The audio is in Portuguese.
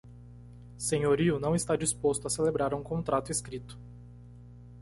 Senhorio não está disposto a celebrar um contrato escrito